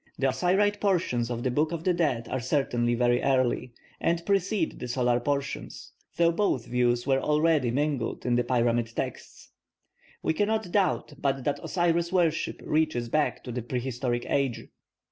The Osiride portions of the Book of the Dead are certainly very early, and precede the solar portions, though both views were already mingled in the pyramid texts. We cannot doubt but that the Osiris worship reaches back to the prehistoric age.